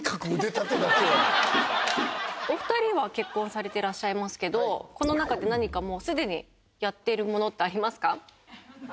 すごいお二人は結婚されてらっしゃいますけどこの中で何かもう既にやっているものってありますか？